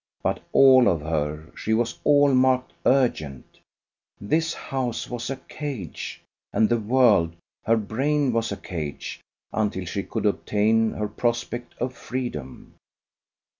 But all of her she was all marked urgent. This house was a cage, and the world her brain was a cage, until she could obtain her prospect of freedom.